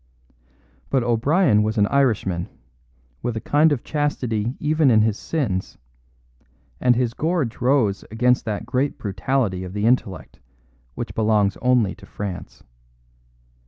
But O'Brien was an Irishman, with a kind of chastity even in his sins; and his gorge rose against that great brutality of the intellect which belongs only to France.